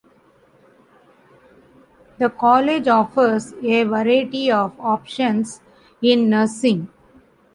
The College offers a variety of options in nursing.